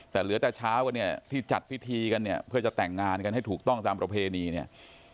แต่เหลือแต่เช้ากันเนี่ยที่จัดพิธีกันเนี่ยเพื่อจะแต่งงานกันให้ถูกต้องตามประเพณีเนี่ย